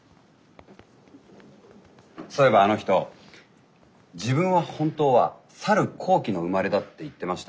そういえばあの人自分は本当はさる高貴の生まれだって言ってましたよ。